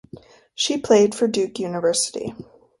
She played for Duke University.